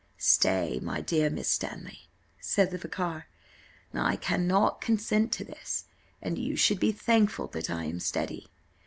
"Stay, my dear Miss Stanley," said the vicar, "I cannot consent to this, and you should be thankful that I am steady.